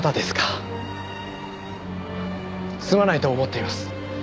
すまないと思っています。